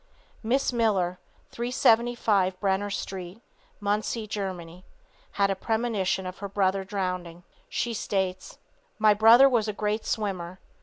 Miss Miller, 375 Brenner street, Muncie, Germany, had a premonition of her brother drowning. She states: "My brother was a great swimmer.